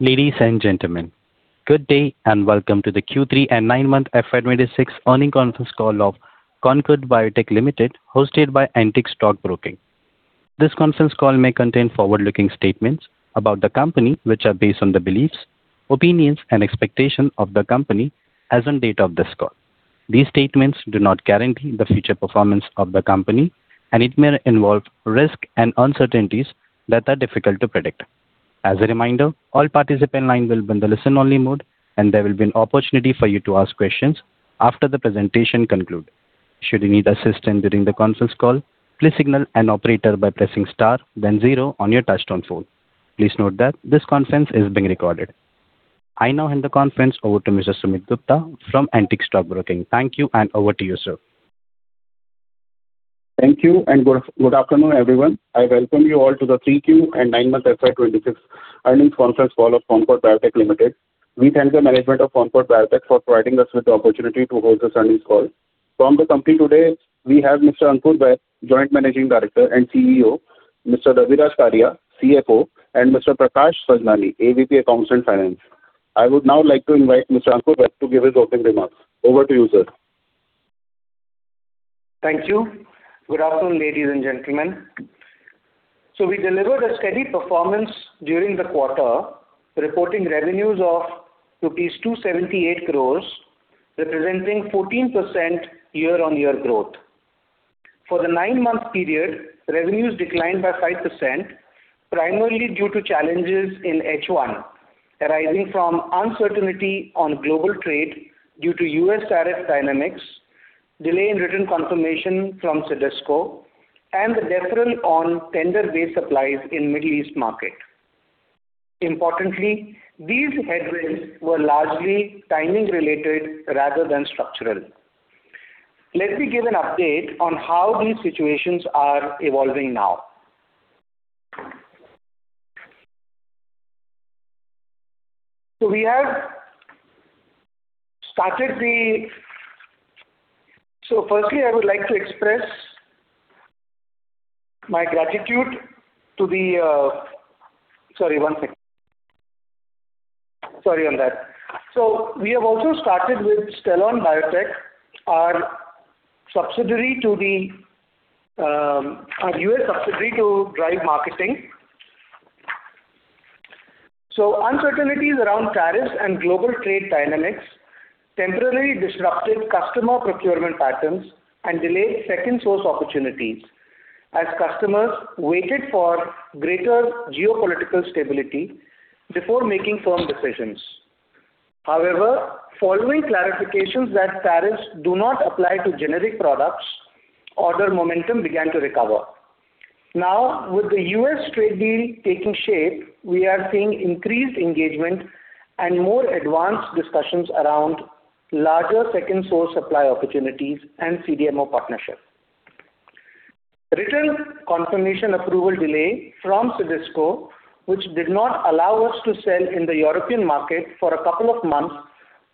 Ladies and gentlemen, good day, and welcome to the Q3 and nine-month FY 2026 earnings conference call of Concord Biotech Limited, hosted by Antique Stock Broking. This conference call may contain forward-looking statements about the company, which are based on the beliefs, opinions and expectation of the company as on date of this call. These statements do not guarantee the future performance of the company, and it may involve risk and uncertainties that are difficult to predict. As a reminder, all participant line will be in the listen-only mode, and there will be an opportunity for you to ask questions after the presentation conclude. Should you need assistance during the conference call, please signal an operator by pressing Star then zero on your touchtone phone. Please note that this conference is being recorded. I now hand the conference over to Mr. Sumit Gupta from Antique Stock Broking. Thank you, and over to you, sir. Thank you, and good, good afternoon, everyone. I welcome you all to the 3Q and 9-month FY 2026 earnings conference call of Concord Biotech Limited. We thank the management of Concord Biotech for providing us with the opportunity to hold this earnings call. From the company today, we have Mr. Ankur Vaid, Joint Managing Director and CEO, Mr. Raviraj Karia, CFO, and Mr. Prakash Sajnani, AVP Accounts and Finance. I would now like to invite Mr. Ankur Vaid to give his opening remarks. Over to you, sir. Thank you. Good afternoon, ladies and gentlemen. So we delivered a steady performance during the quarter, reporting revenues of rupees 278 crore, representing 14% year-on-year growth. For the nine-month period, revenues declined by 5%, primarily due to challenges in H1, arising from uncertainty on global trade due to U.S. tariff dynamics, delay in written confirmation from EDQM, and the deferral on tender-based supplies in Middle East market. Importantly, these headwinds were largely timing-related rather than structural. Let me give an update on how these situations are evolving now. So firstly, I would like to express my gratitude to the, uh, sorry, one second. Sorry on that. So we have also started with Stelon Biotech, our subsidiary to the, um, our U.S. subsidiary to drive marketing. So uncertainties around tariffs and global trade dynamics temporarily disrupted customer procurement patterns and delayed second source opportunities as customers waited for greater geopolitical stability before making firm decisions. However, following clarifications that tariffs do not apply to generic products, order momentum began to recover. Now, with the U.S. trade deal taking shape, we are seeing increased engagement and more advanced discussions around larger second source supply opportunities and CDMO partnerships. Written Confirmation approval delay from EDQM, which did not allow us to sell in the European market for a couple of months,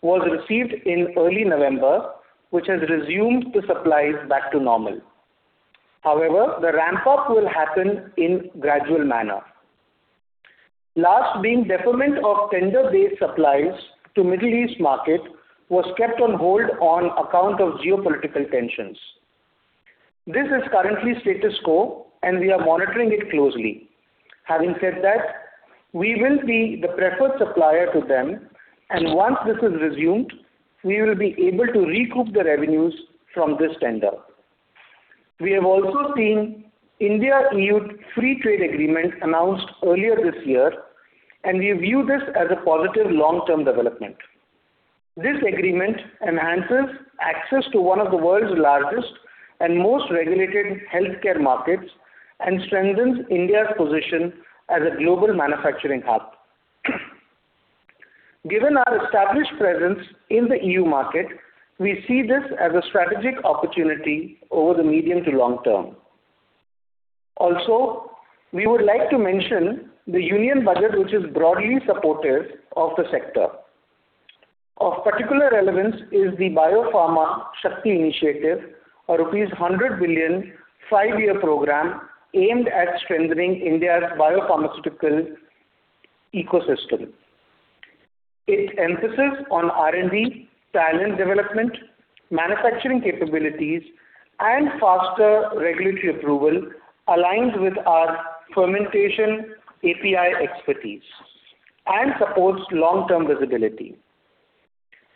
was received in early November, which has resumed the supplies back to normal. However, the ramp-up will happen in gradual manner. Last, being deferment of tender-based supplies to Middle East market was kept on hold on account of geopolitical tensions. This is currently status quo, and we are monitoring it closely. Having said that, we will be the preferred supplier to them, and once this is resumed, we will be able to recoup the revenues from this tender. We have also seen India-EU Free Trade Agreement announced earlier this year, and we view this as a positive long-term development. This agreement enhances access to one of the world's largest and most regulated healthcare markets and strengthens India's position as a global manufacturing hub. Given our established presence in the EU market, we see this as a strategic opportunity over the medium to long term. Also, we would like to mention the Union Budget, which is broadly supportive of the sector. Of particular relevance is the Biopharma Shakti Initiative, a rupees 100 billion, five-year program aimed at strengthening India's biopharmaceutical ecosystem. Its emphasis on R&D, talent development, manufacturing capabilities, and faster regulatory approval aligns with our fermentation API expertise and supports long-term visibility.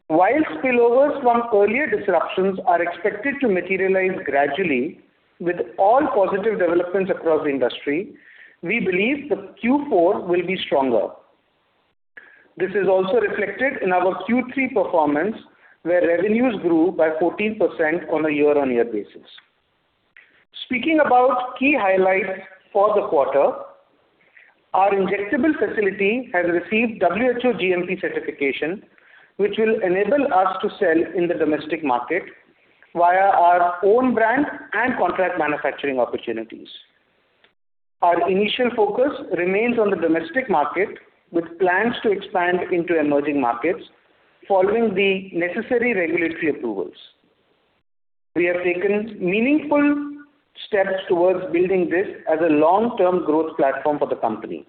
While spillovers from earlier disruptions are expected to materialize gradually, with all positive developments across the industry, we believe that Q4 will be stronger. This is also reflected in our Q3 performance, where revenues grew by 14% on a year-on-year basis. Speaking about key highlights for the quarter, our injectable facility has received WHO GMP certification, which will enable us to sell in the domestic market via our own brand and contract manufacturing opportunities. Our initial focus remains on the domestic market, with plans to expand into emerging markets following the necessary regulatory approvals....We have taken meaningful steps towards building this as a long-term growth platform for the company.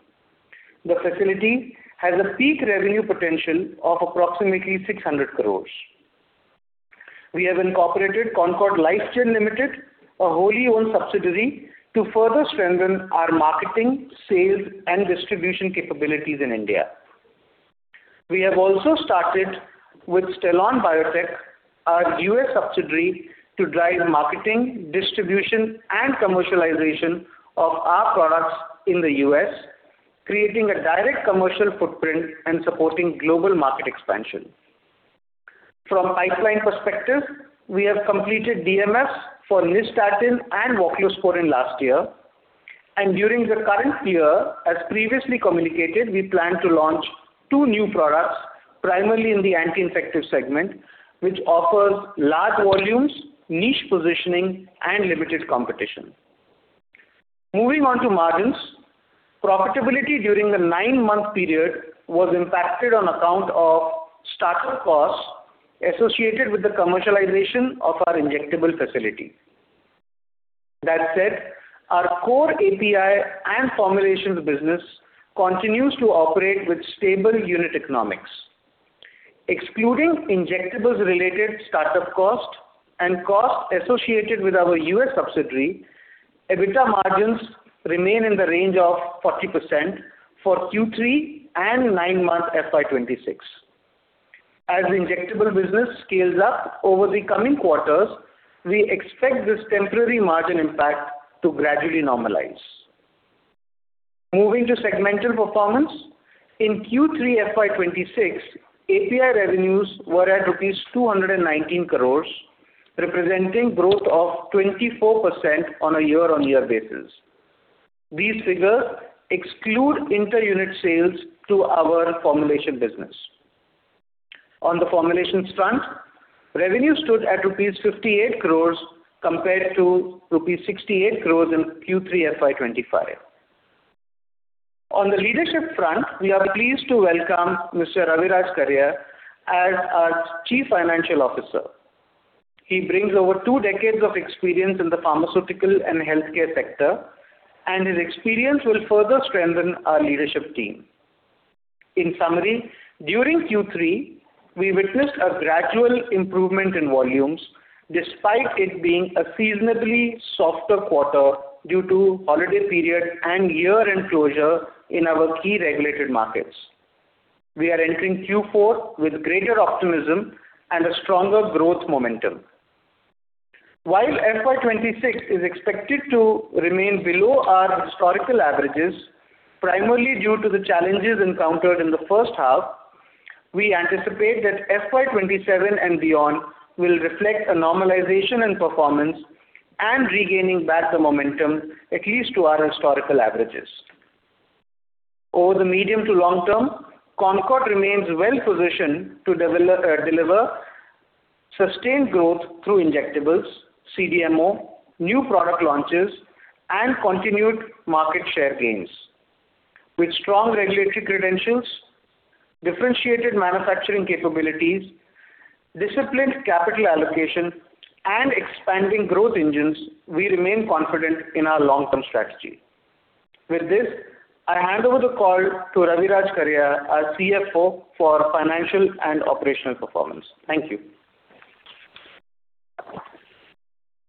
The facility has a peak revenue potential of approximately 600 crore. We have incorporated Concord Lifegen Limited, a wholly owned subsidiary, to further strengthen our marketing, sales, and distribution capabilities in India. We have also started with Stelon Biotech, our U.S. subsidiary, to drive the marketing, distribution, and commercialization of our products in the U.S., creating a direct commercial footprint and supporting global market expansion. From pipeline perspective, we have completed DMF for nystatin and voclosporin last year, and during the current year, as previously communicated, we plan to launch two new products, primarily in the anti-infective segment, which offers large volumes, niche positioning, and limited competition. Moving on to margins. Profitability during the nine-month period was impacted on account of startup costs associated with the commercialization of our injectable facility. That said, our core API and formulations business continues to operate with stable unit economics. Excluding injectables-related startup costs and costs associated with our U.S. subsidiary, EBITDA margins remain in the range of 40% for Q3 and nine months FY 2026. As the injectable business scales up over the coming quarters, we expect this temporary margin impact to gradually normalize. Moving to segmental performance. In Q3 FY 2026, API revenues were at rupees 219 crore, representing growth of 24% on a year-on-year basis. These figures exclude inter-unit sales to our formulation business. On the formulations front, revenue stood at rupees 58 crore compared to rupees 68 crore in Q3 FY 2025. On the leadership front, we are pleased to welcome Mr. Raviraj Karia as our Chief Financial Officer. He brings over two decades of experience in the pharmaceutical and healthcare sector, and his experience will further strengthen our leadership team. In summary, during Q3, we witnessed a gradual improvement in volumes, despite it being a seasonally softer quarter due to holiday period and year-end closure in our key regulated markets. We are entering Q4 with greater optimism and a stronger growth momentum. While FY 2026 is expected to remain below our historical averages, primarily due to the challenges encountered in the first half, we anticipate that FY 2027 and beyond will reflect a normalization in performance and regaining back the momentum, at least to our historical averages. Over the medium to long term, Concord remains well-positioned to deliver sustained growth through injectables, CDMO, new product launches, and continued market share gains. With strong regulatory credentials, differentiated manufacturing capabilities, disciplined capital allocation, and expanding growth engines, we remain confident in our long-term strategy. With this, I hand over the call to Raviraj Karia, our CFO, for financial and operational performance. Thank you.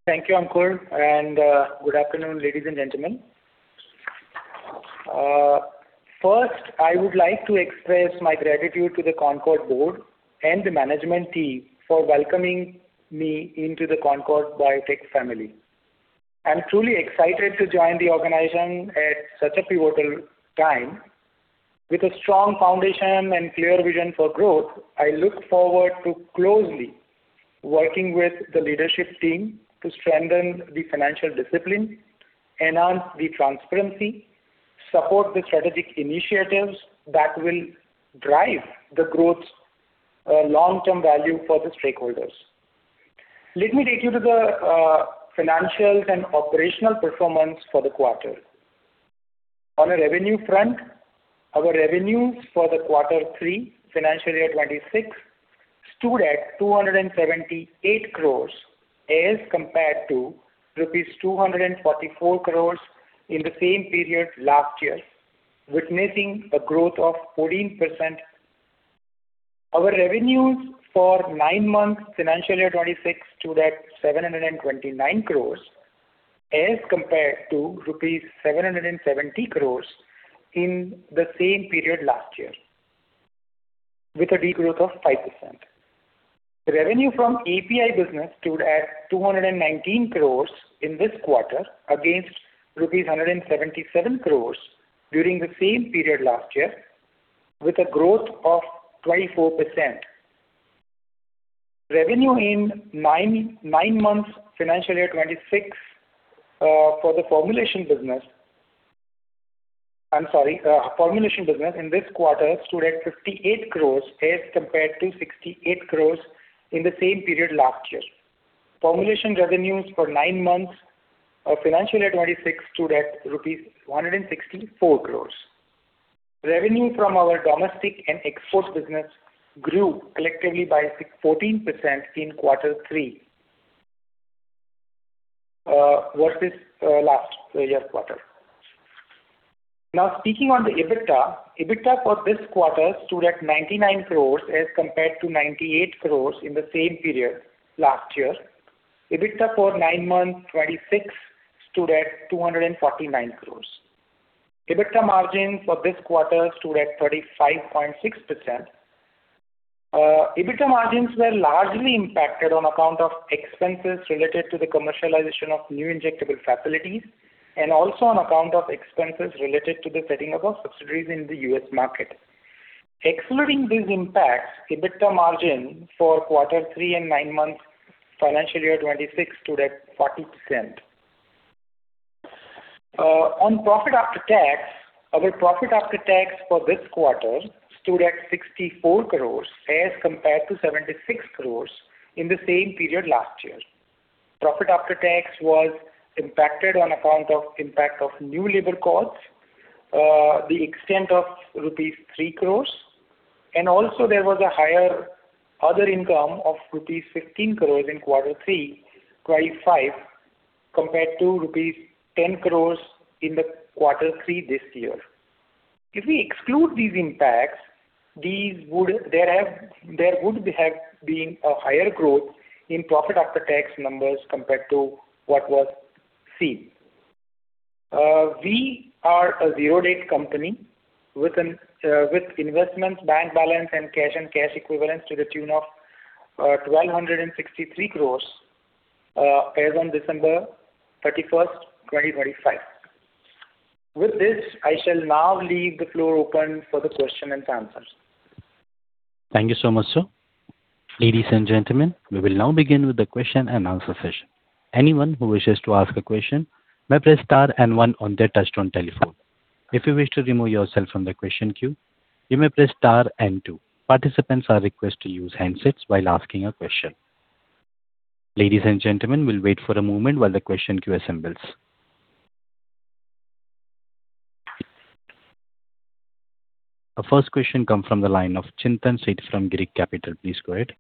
Thank you, Ankur, and good afternoon, ladies and gentlemen. First, I would like to express my gratitude to the Concord board and the management team for welcoming me into the Concord Biotech family. I'm truly excited to join the organization at such a pivotal time. With a strong foundation and clear vision for growth, I look forward to closely working with the leadership team to strengthen the financial discipline, enhance the transparency, support the strategic initiatives that will drive the growth long-term value for the stakeholders. Let me take you to the financials and operational performance for the quarter. On a revenue front, our revenues for quarter three, financial year 2026, stood at 278 crore, as compared to rupees 244 crore in the same period last year, witnessing a growth of 14%. Our revenues for nine months, financial year 2026, stood at 729 crore, as compared to rupees 770 crore in the same period last year, with a de-growth of 5%. Revenue from API business stood at 219 crore in this quarter, against rupees 177 crore during the same period last year, with a growth of 24%. Revenue in nine months, financial year 2026, for the formulation business... I'm sorry, formulation business in this quarter stood at 58 crore as compared to 68 crore in the same period last year. Formulation revenues for nine months of financial year 2026 stood at rupees 164 crore. Revenue from our domestic and export business grew collectively by 14% in quarter three versus last year's quarter. Now, speaking on the EBITDA, EBITDA for this quarter stood at 99 crore as compared to 98 crore in the same period last year. EBITDA for nine months, 2026, stood at 249 crore. EBITDA margin for this quarter stood at 35.6%. EBITDA margins were largely impacted on account of expenses related to the commercialization of new injectable facilities, and also on account of expenses related to the setting up of subsidiaries in the U.S. market. Excluding these impacts, EBITDA margin for quarter three and nine months, financial year 2026 stood at 40%. On profit after tax, our profit after tax for this quarter stood at INR 64 crore as compared to INR 76 crore in the same period last year. Profit after tax was impacted on account of impact of new labor costs, the extent of rupees 3 crore, and also there was a higher other income of rupees 15 crore in quarter 3, 2025, compared to rupees 10 crore in the quarter three this year. If we exclude these impacts, there would have been a higher growth in profit after tax numbers compared to what was seen. We are a zero debt company with an, with investments, bank balance, and cash and cash equivalents to the tune of 1,263 crore, as on December 31, 2025. With this, I shall now leave the floor open for the question and answers. Thank you so much, sir. Ladies and gentlemen, we will now begin with the question and answer session. Anyone who wishes to ask a question may press star and one on their touchtone telephone. If you wish to remove yourself from the question queue, you may press star and two. Participants are requested to use handsets while asking a question. Ladies and gentlemen, we'll wait for a moment while the question queue assembles. The first question comes from the line of Chintan Sheth from Girik Capital. Please go ahead.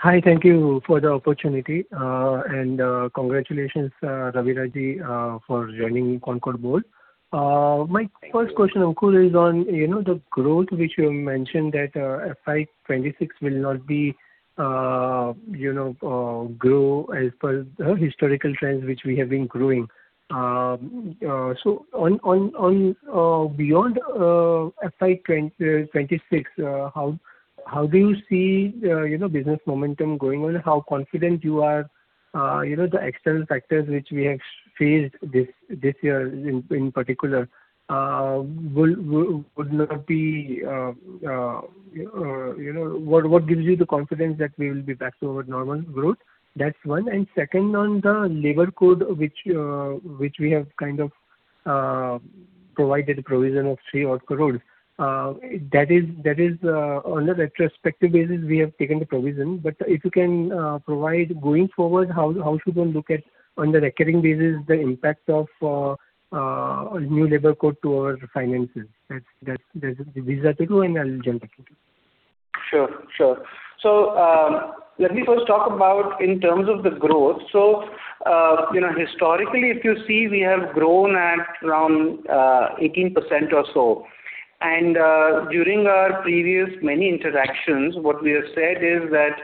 Hi, thank you for the opportunity, and, congratulations, Raviraj Ji, for joining Concord Board. My first question, Ankur, is on, you know, the growth which you mentioned that, FY 2026 will not be, you know, grow as per the historical trends which we have been growing. So on, on, beyond, FY 2026, how, how do you see, you know, business momentum going on? How confident you are, you know, the external factors which we have faced this, this year in particular, will, will, would not be, you know, what, what gives you the confidence that we will be back to our normal growth? That's one. And second, on the labor code, which, which we have kind of, provided a provision of 3-odd crores. That is, on a retrospective basis, we have taken the provision, but if you can provide going forward, how should one look at, on the recurring basis, the impact of new labor code to our finances? That's these are the two, and I'll jump again. Sure, sure. So, let me first talk about in terms of the growth. So, you know, historically, if you see, we have grown at around 18% or so. And during our previous many interactions, what we have said is that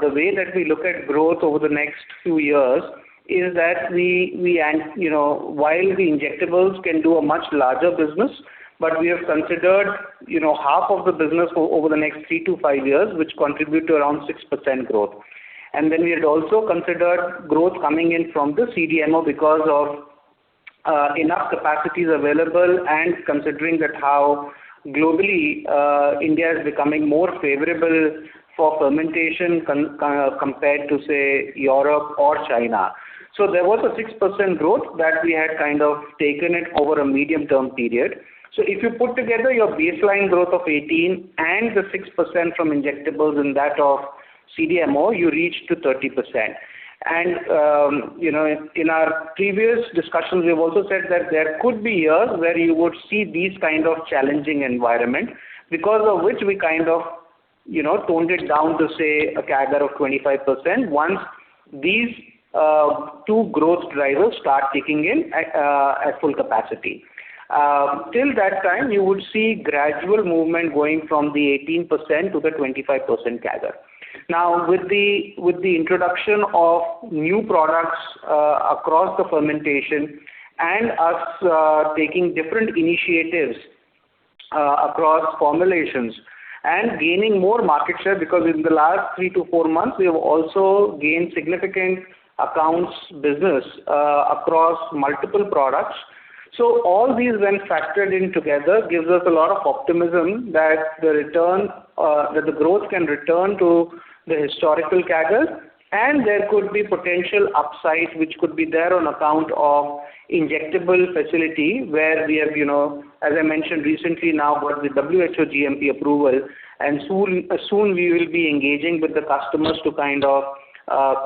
the way that we look at growth over the next two years is that we, we, and, you know, while the injectables can do a much larger business, but we have considered, you know, half of the business over the next three to five years, which contribute to around 6% growth. And then we had also considered growth coming in from the CDMO because of enough capacities available and considering that how globally India is becoming more favorable for fermentation compared to, say, Europe or China. So there was a 6% growth that we had kind of taken it over a medium-term period. So if you put together your baseline growth of 18 and the 6% from injectables and that of CDMO, you reach to 30%. And, you know, in, in our previous discussions, we've also said that there could be years where you would see these kind of challenging environment, because of which we kind of, you know, toned it down to, say, a CAGR of 25%, once these, two growth drivers start kicking in at, at full capacity. Till that time, you would see gradual movement going from the 18% to the 25% CAGR. Now, with the, with the introduction of new products across the fermentation and US, taking different initiatives across formulations and gaining more market share, because in the last 3-4 months, we have also gained significant accounts business across multiple products. So all these when factored in together gives us a lot of optimism that the return that the growth can return to the historical CAGR, and there could be potential upside, which could be there on account of injectable facility, where we have, you know, as I mentioned recently, now got the WHO GMP approval, and soon, soon we will be engaging with the customers to kind of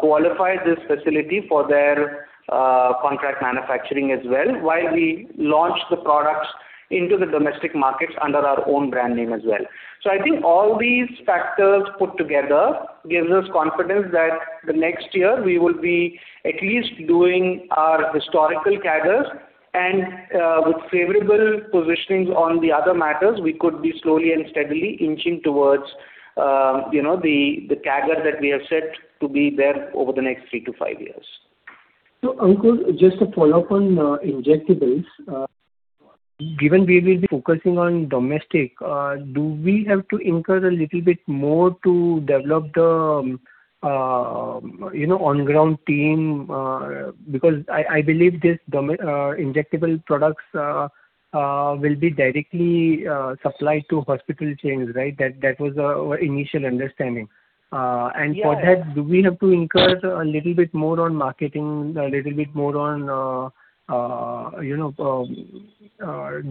qualify this facility for their contract manufacturing as well, while we launch the products into the domestic markets under our own brand name as well. So I think all these factors put together gives us confidence that the next year we will be at least doing our historical CAGRs. And, with favorable positionings on the other matters, we could be slowly and steadily inching towards, you know, the CAGR that we have set to be there over the next three to five years. So, Ankur, just a follow-up on injectables. Given we will be focusing on domestic, do we have to incur a little bit more to develop the, you know, on-ground team? Because I believe domestic injectable products will be directly supplied to hospital chains, right? That was our initial understanding. Yeah. and for that, do we have to incur a little bit more on marketing, a little bit more on, you know,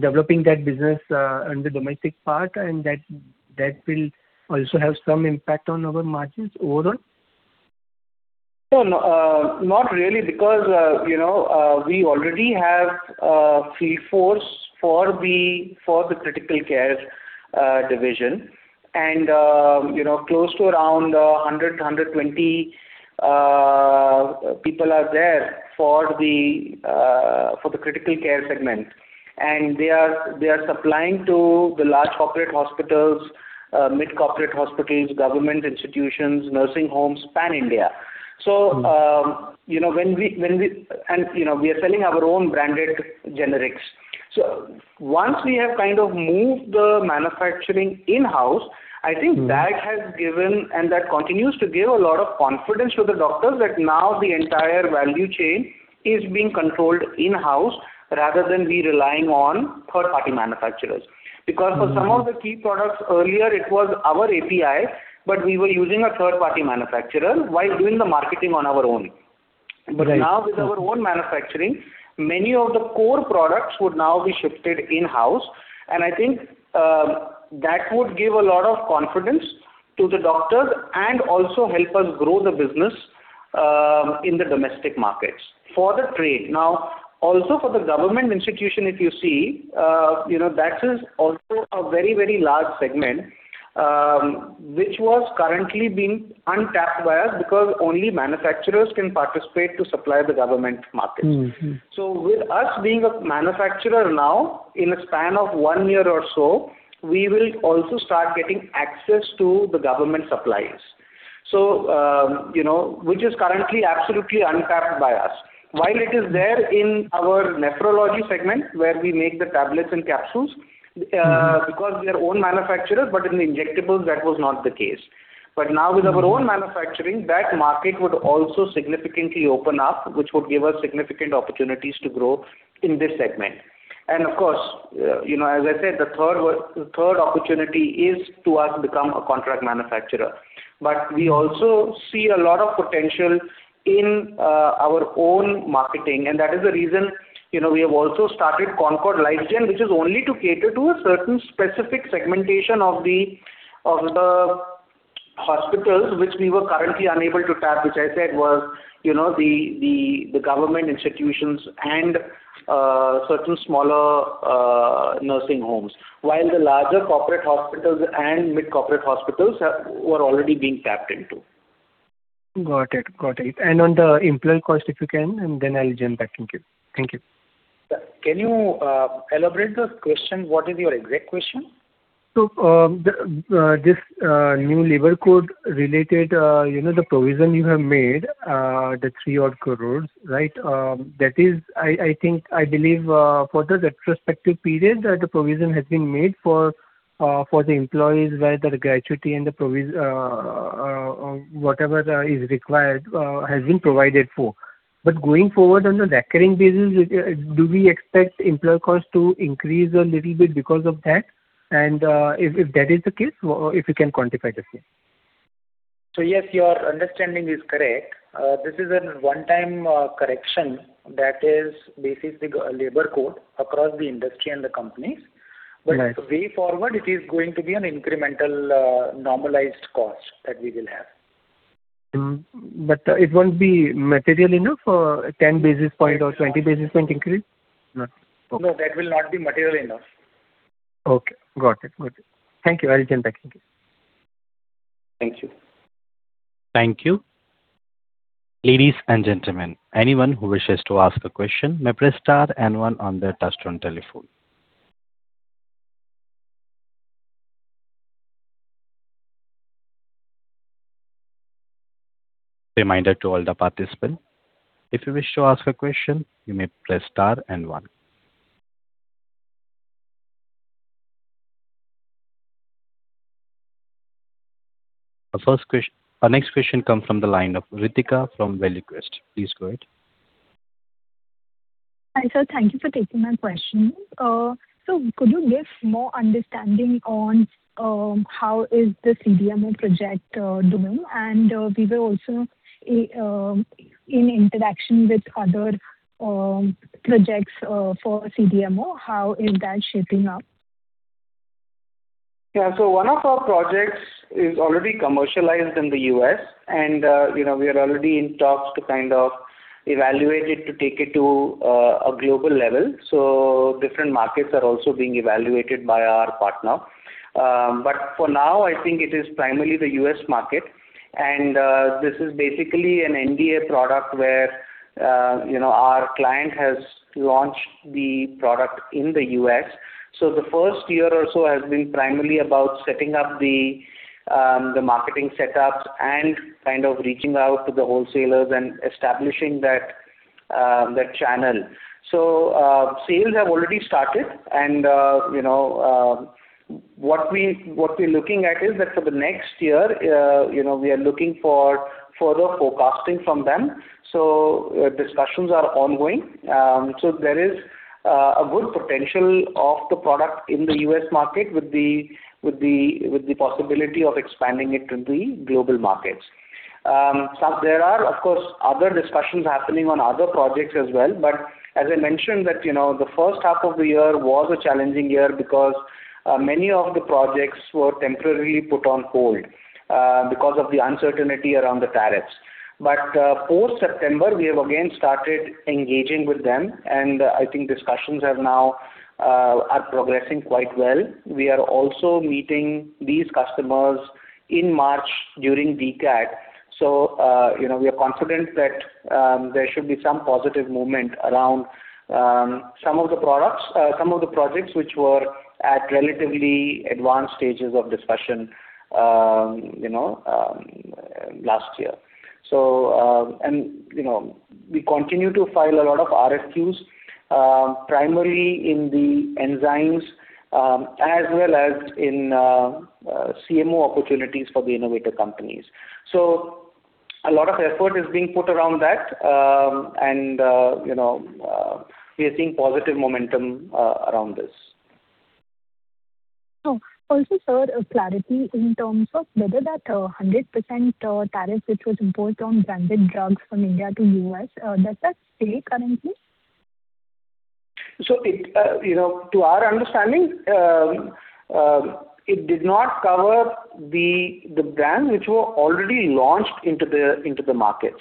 developing that business, on the domestic part, and that, that will also have some impact on our margins overall? No, no, not really, because, you know, we already have a field force for the, for the critical care, division. And, you know, close to around 100 to 120 people are there for the, for the critical care segment. And they are, they are supplying to the large corporate hospitals, mid corporate hospitals, government institutions, nursing homes, pan-India. Mm-hmm. So, you know, when we... And, you know, we are selling our own branded generics. So once we have kind of moved the manufacturing in-house, I think- Mm. that has given, and that continues to give a lot of confidence to the doctors, that now the entire value chain is being controlled in-house rather than we relying on third-party manufacturers. Mm. Because for some of the key products earlier, it was our API, but we were using a third-party manufacturer while doing the marketing on our own. Right. But now with our own manufacturing, many of the core products would now be shifted in-house, and I think, that would give a lot of confidence to the doctors and also help us grow the business, in the domestic markets. For the trade... Now, also for the government institution, if you see, you value, that is also a very, very large segment, which was currently being untapped by us, because only manufacturers can participate to supply the government market. Mm-hmm. With us being a manufacturer now, in a span of one year or so, we will also start getting access to the government suppliers. You know, which is currently absolutely untapped by us. While it is there in our nephrology segment, where we make the tablets and capsules- Mm. Because we are own manufacturers, but in the injectables, that was not the case. But now with our own manufacturing, that market would also significantly open up, which would give us significant opportunities to grow in this segment. And of course, you know, as I said, the third opportunity is to us become a contract manufacturer. But we also see a lot of potential in our own marketing, and that is the reason, you know, we have also started Concord Lifegen, which is only to cater to a certain specific segmentation of the hospitals, which we were currently unable to tap, which I said was, you know, the government institutions and certain smaller nursing homes. While the larger corporate hospitals and mid corporate hospitals have were already being tapped into. Got it. Got it. On the employer cost, if you can, and then I'll jump back. Thank you. Thank you. Can you elaborate the question? What is your exact question? So, this new labor code related, you know, the provision you have made, the 3-odd crore, right? That is... I think, I believe, for the retrospective period, that the provision has been made for the employees, where the gratuity and whatever there is required has been provided for. But going forward on the recurring basis, do we expect employer costs to increase a little bit because of that? And, if that is the case, if you can quantify the same. Yes, your understanding is correct. This is a one-time correction that is based on the labor code across the industry and the companies. Right. Way forward, it is going to be an incremental, normalized cost that we will have. It won't be material enough for a 10 basis point or 20 basis point increase? Right. Okay. No, that will not be material enough. Okay, got it. Got it. Thank you. I'll jump back. Thank you. Thank you. Thank you. Ladies and gentlemen, anyone who wishes to ask a question may press star and one on their touchtone telephone. Reminder to all the participants, if you wish to ask a question, you may press star and one. Our next question comes from the line of Ritika from Valuequest. Please go ahead. Hi, sir. Thank you for taking my question. So could you give more understanding on how the CDMO project is doing? And we were also in interaction with other projects for CDMO. How is that shaping up? ... Yeah, so one of our projects is already commercialized in the U.S., and, you know, we are already in talks to kind of evaluate it, to take it to, a global level. So different markets are also being evaluated by our partner. But for now, I think it is primarily the U.S. market, and, this is basically an NDA product where, you know, our client has launched the product in the U.S. So the first year or so has been primarily about setting up the, the marketing setups and kind of reaching out to the wholesalers and establishing that, that channel. So, sales have already started, and, you know, what we, what we're looking at is that for the next year, you know, we are looking for further forecasting from them, so discussions are ongoing. So there is a good potential of the product in the U.S. market with the possibility of expanding it to the global markets. So there are, of course, other discussions happening on other projects as well. But as I mentioned, that, you know, the first half of the year was a challenging year because many of the projects were temporarily put on hold because of the uncertainty around the tariffs. But post-September, we have again started engaging with them, and I think discussions have now are progressing quite well. We are also meeting these customers in March during DCAT, so you know, we are confident that there should be some positive movement around some of the products, some of the projects which were at relatively advanced stages of discussion, you know last year. So, you know, we continue to file a lot of RFQs, primarily in the enzymes, as well as in CMO opportunities for the innovator companies. So a lot of effort is being put around that, and, you know, we are seeing positive momentum around this. Oh, also, sir, a clarity in terms of whether that 100% tariff, which was imposed on branded drugs from India to U.S., does that stay currently? So it, you know, to our understanding, it did not cover the brand which were already launched into the market.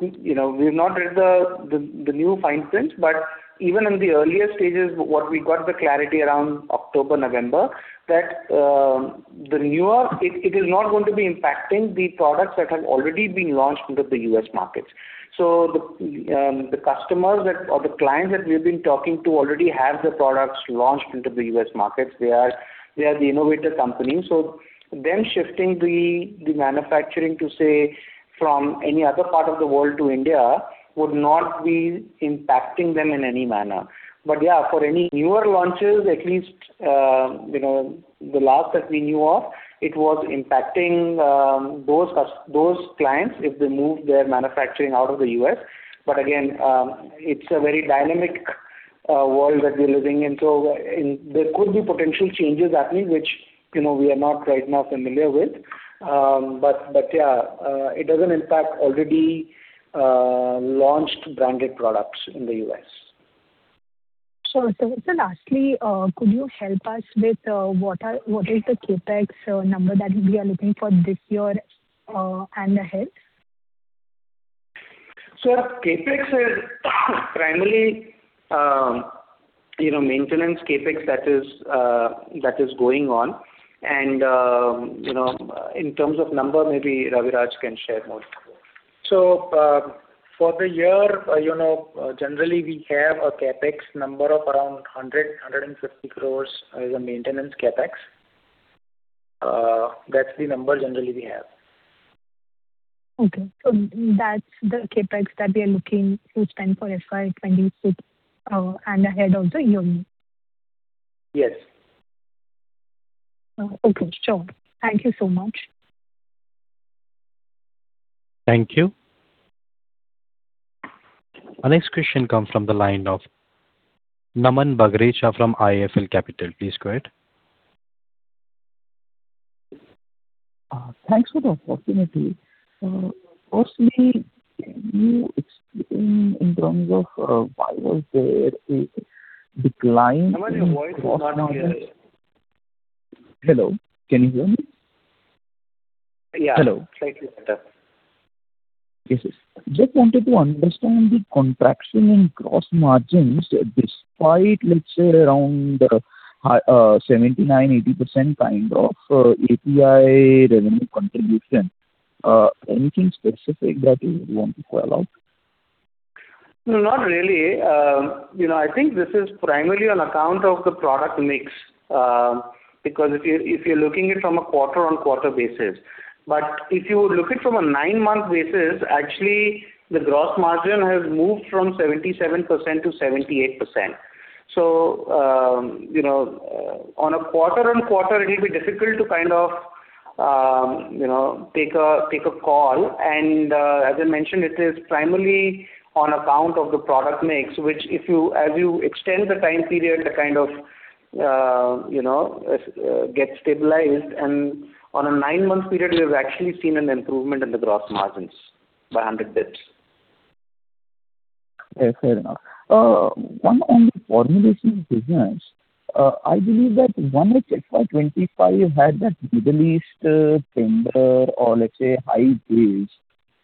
You know, we've not read the new fine print, but even in the earlier stages, what we got the clarity around October, November, that the newer. It is not going to be impacting the products that have already been launched into the U.S. markets. So the customers that, or the clients that we've been talking to already have the products launched into the U.S. markets. They are the innovator companies, so them shifting the manufacturing to, say, from any other part of the world to India, would not be impacting them in any manner. But, yeah, for any newer launches, at least, you know, the last that we knew of, it was impacting those clients, if they moved their manufacturing out of the U.S. But again, it's a very dynamic world that we're living in, so and there could be potential changes happening, which, you know, we are not right now familiar with. But, yeah, it doesn't impact already launched branded products in the U.S. Sure. Sir, lastly, could you help us with what is the CapEx number that we are looking for this year, and ahead? So CapEx is primarily, you know, maintenance CapEx that is going on. And, you know, in terms of number, maybe Raviraj can share more. So, for the year, you know, generally, we have a CapEx number of around 100-150 crore as a maintenance CapEx. That's the number generally we have. Okay. So that's the CapEx that we are looking to spend for FY26, and ahead of the year? Yes. Okay. Sure. Thank you so much. Thank you. Our next question comes from the line of Naman Bagrecha from IIFL Capital. Please go ahead. Thanks for the opportunity. Firstly, can you explain in terms of why was there a decline in- Naman, your voice is not clear. Hello, can you hear me? Yeah. Hello. Slightly better. Yes, yes. Just wanted to understand the contraction in gross margins, despite, let's say, around 79%-80% kind of API revenue contribution. Anything specific that you want to call out? No, not really. You know, I think this is primarily on account of the product mix, because if you're looking at it from a quarter-on-quarter basis, but if you look at it from a nine-month basis, actually the gross margin has moved from 77% to 78%. So, you know, on a quarter-on-quarter, it'll be difficult to kind of, you know, take a call. And, as I mentioned, it is primarily on account of the product mix, which if you... As you extend the time period, it kind of gets stabilized. And on a nine-month period, we have actually seen an improvement in the gross margins by 100 basis points.... One on the formulation business. I believe that one is FY 25 had that Middle East tender or let's say, high base.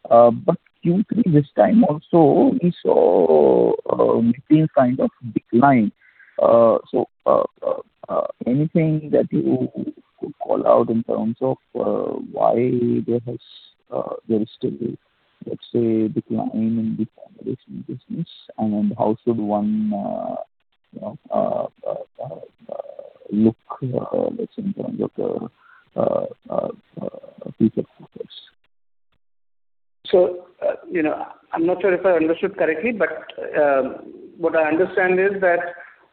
But Q3 this time also, we saw between kind of decline. So, anything that you could call out in terms of why there has there is still a, let's say, decline in the formulation business, and then how should one you know look, let's say, in terms of future purpose? You know, I'm not sure if I understood correctly, but what I understand is that,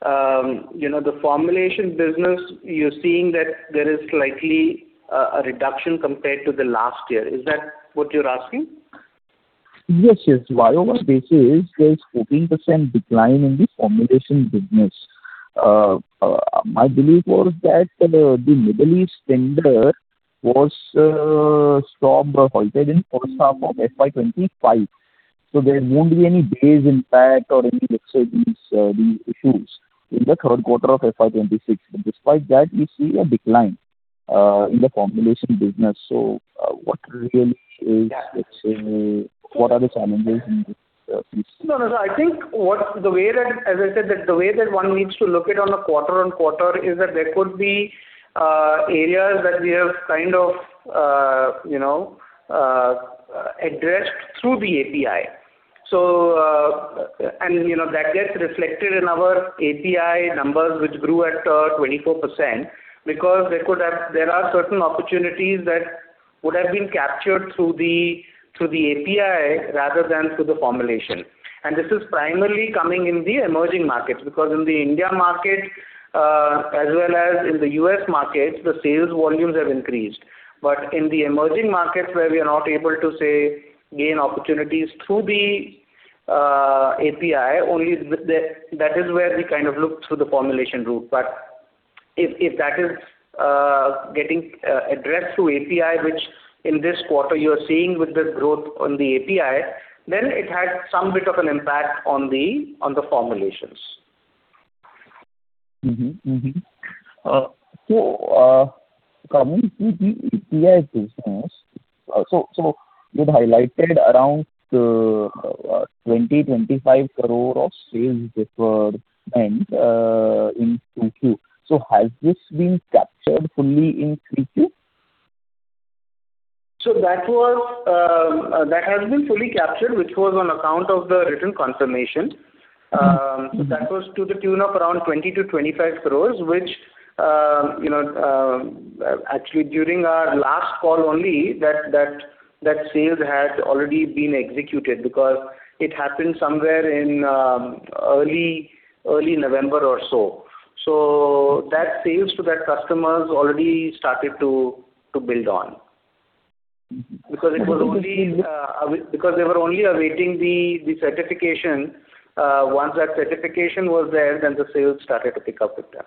you know, the formulation business, you're seeing that there is slightly a reduction compared to the last year. Is that what you're asking? Yes, yes. Y-over-base is there is 14% decline in the formulation business. My belief was that the, the Middle East tender was stopped or halted in first half of FY 2025. So there won't be any base impact or any, let's say, these, the issues in the third quarter of FY 2026. But despite that, we see a decline in the formulation business. So, what really is, let's say, what are the challenges in this piece? No, no, no. I think the way that... As I said, that the way that one needs to look at it on a quarter-on-quarter, is that there could be areas that we have kind of, you know, addressed through the API. So, and, you know, that gets reflected in our API numbers, which grew at 24%, because there are certain opportunities that would have been captured through the API rather than through the formulation. And this is primarily coming in the emerging markets, because in the India market, as well as in the U.S. market, the sales volumes have increased. But in the emerging markets, where we are not able to, say, gain opportunities through the API, only the that is where we kind of look through the formulation route. But if, if that is getting addressed through API, which in this quarter you are seeing with the growth on the API, then it has some bit of an impact on the formulations. Coming to the API business, so you'd highlighted around 25 crore of sales deferred, and in Q2. So has this been captured fully in Q3? So that was, that has been fully captured, which was on account of the Written Confirmation. Mm-hmm. That was to the tune of around 20 crore-25 crore, which, you know, actually, during our last call only, that sales had already been executed because it happened somewhere in early November or so. So that sales to that customer has already started to build on. Mm-hmm. Because it was only because they were only awaiting the certification. Once that certification was there, then the sales started to pick up with them.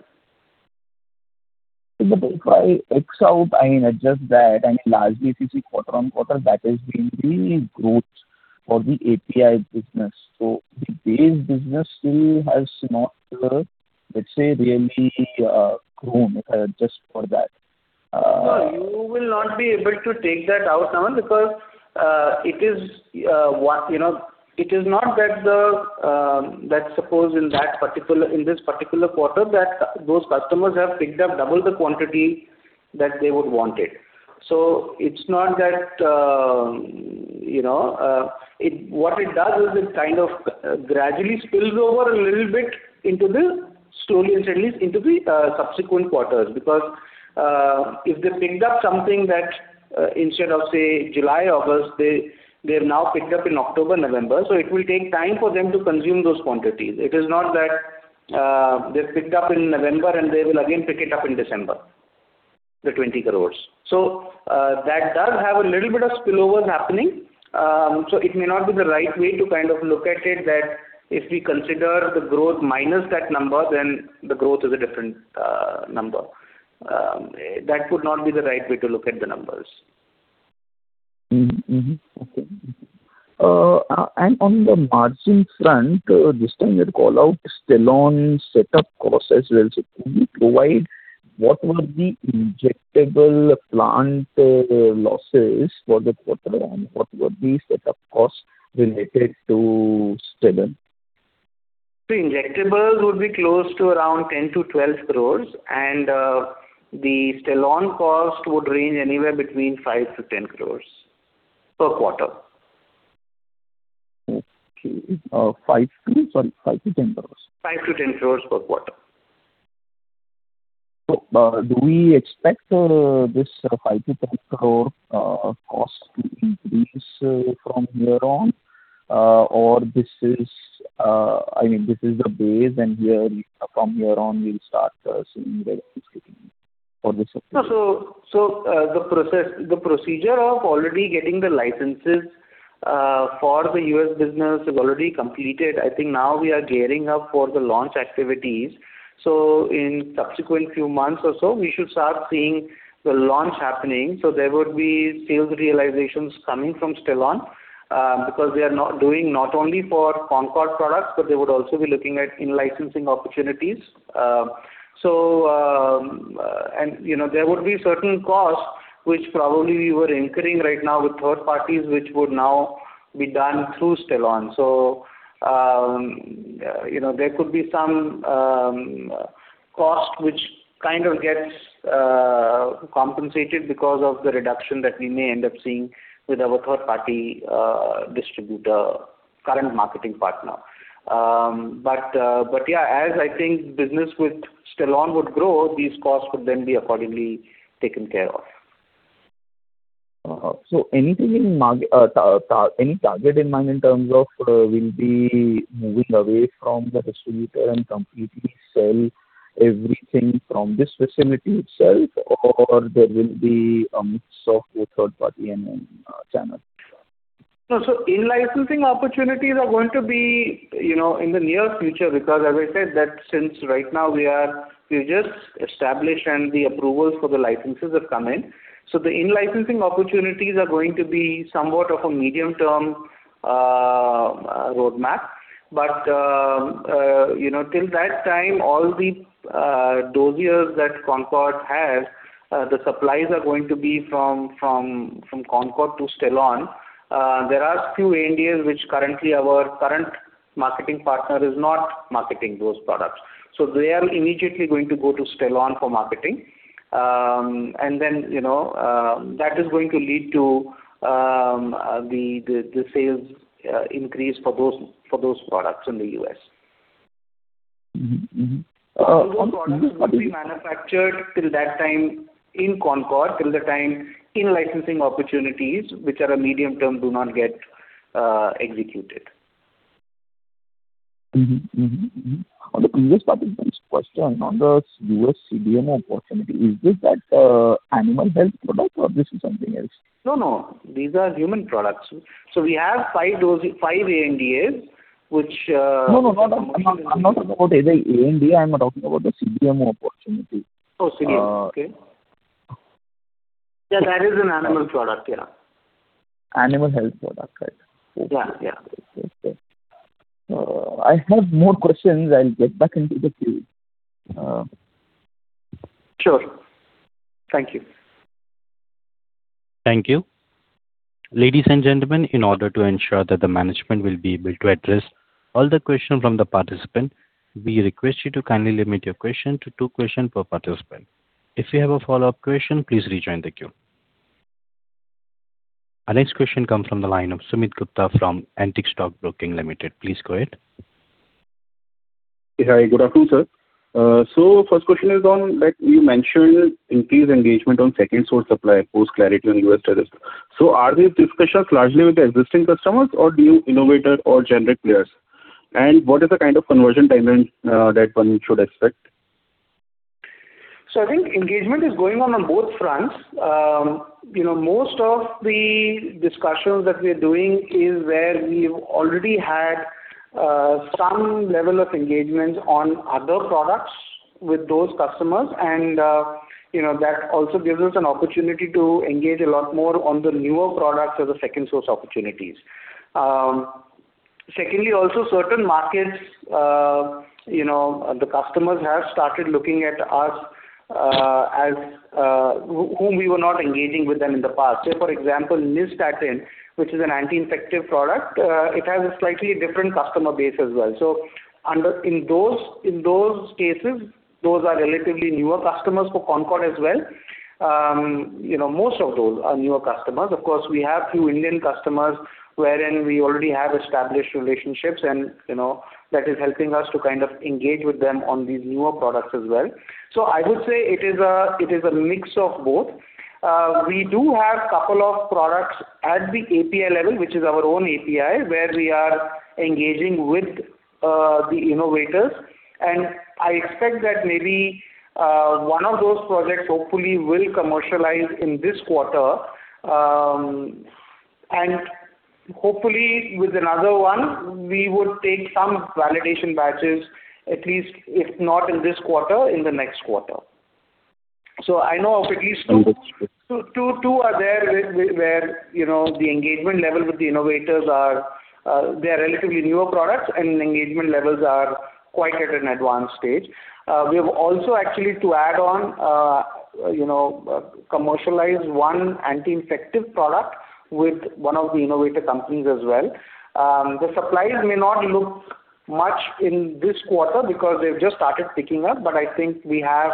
But if I X out, I mean, adjust that, and largely you see quarter-on-quarter, that has been the growth for the API business. So the base business still has not, let's say, really, grown, if I adjust for that. No, you will not be able to take that out, Naman, because it is. You know, it is not that the, let's suppose in that particular, in this particular quarter, that those customers have picked up double the quantity that they would wanted. So it's not that, you know, it—what it does is it kind of gradually spills over a little bit into the, slowly and steadily, into the subsequent quarters. Because if they picked up something that instead of, say, July, August, they have now picked up in October, November, so it will take time for them to consume those quantities. It is not that, they've picked up in November, and they will again pick it up in December, the 20 crore. So that does have a little bit of spillover happening. So, it may not be the right way to kind of look at it, that if we consider the growth minus that number, then the growth is a different number. That would not be the right way to look at the numbers. Mm-hmm. Mm-hmm. Okay. And on the margin front, this time you had called out Stelon setup costs as well. So can you provide what were the injectable plant losses for the quarter, and what were the setup costs related to Stelon? The injectables would be close to around 10 crore-12 crore, and the Stelon cost would range anywhere between 5 crore-10 crore per quarter. Okay. five to, sorry, 5 crores-10 crores? 5 crore-10 crore per quarter. Do we expect this 5 crore-10 crore cost to increase from here on? Or this is, I mean, this is the base, and here, from here on, we'll start seeing that it's getting-... So, the process, the procedure of already getting the licenses, for the U.S. business is already completed. I think now we are gearing up for the launch activities. So in subsequent few months or so, we should start seeing the launch happening. So there would be sales realizations coming from Stelon, because they are not doing not only for Concord products, but they would also be looking at in-licensing opportunities. And, you know, there would be certain costs which probably we were incurring right now with third parties, which would now be done through Stelon. So, you know, there could be some, cost which kind of gets compensated because of the reduction that we may end up seeing with our third-party distributor, current marketing partner. But yeah, as I think business with Stelon would grow, these costs would then be accordingly taken care of. So anything in mind, any target in mind in terms of, we'll be moving away from the distributor and completely sell everything from this vicinity itself, or there will be a mix of the third party and channel? No, so in-licensing opportunities are going to be, you know, in the near future, because as I said, that since right now we are. We just established and the approvals for the licenses have come in. So the in-licensing opportunities are going to be somewhat of a medium-term roadmap. But, you know, till that time, all those years that Concord has, the supplies are going to be from Concord to Stelon. There are a few ANDAs, which our current marketing partner is not marketing those products, so they are immediately going to go to Stelon for marketing. And then, you know, that is going to lead to the sales increase for those products in the U.S. Mm-hmm. Mm-hmm. Those products will be manufactured till that time in Concord, till the time in-licensing opportunities, which are a medium term, do not get executed. Mm-hmm. Mm-hmm. Mm-hmm. On the previous participant's question, on the U.S. CDMO opportunity, is this that, animal health product, or this is something else? No, no, these are human products. So we have five dosing, five ANDAs, which, No, no, not at all. I'm not talking about any ANDA, I'm talking about the CDMO opportunity. Oh, CDMO. Uh. Okay. Yeah, that is an animal product, yeah. Animal health product, right? Yeah. Yeah. Okay. I have more questions. I'll get back into the queue. Sure. Thank you. Thank you. Ladies and gentlemen, in order to ensure that the management will be able to address all the question from the participant, we request you to kindly limit your question to two questions per participant. If you have a follow-up question, please rejoin the queue. Our next question comes from the line of Sumit Gupta from Antique Stock Broking Limited. Please go ahead. Hi, good afternoon, sir. So first question is on, like, you mentioned increased engagement on second source supply, post clarity on U.S. trade. So are these discussions largely with the existing customers, or new innovator or generic players? And what is the kind of conversion timeline, that one should expect? So I think engagement is going on on both fronts. You know, most of the discussions that we are doing is where we've already had, some level of engagement on other products with those customers, and, you know, that also gives us an opportunity to engage a lot more on the newer products as a second source opportunities. Secondly, also certain markets, you know, the customers have started looking at us, as, whom we were not engaging with them in the past. Say, for example, Nystatin, which is an anti-infective product, it has a slightly different customer base as well. So under, in those, in those cases, those are relatively newer customers for Concord as well. You know, most of those are newer customers. Of course, we have few Indian customers, wherein we already have established relationships, and, you know, that is helping us to kind of engage with them on these newer products as well. So I would say it is a mix of both. We do have couple of products at the API level, which is our own API, where we are engaging with the innovators. And I expect that maybe one of those projects hopefully will commercialize in this quarter. And hopefully, with another one, we would take some validation batches, at least if not in this quarter, in the next quarter. So I know of at least two- Understood. two, two are there, where, you know, the engagement level with the innovators are, they are relatively newer products, and engagement levels are quite at an advanced stage. We have also actually to add on, you know, commercialize one anti-infective product with one of the innovator companies as well. The supplies may not look much in this quarter because they've just started picking up, but I think we have,